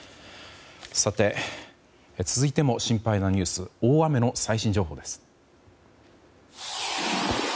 さて、続いても心配なニュース大雨の最新情報です。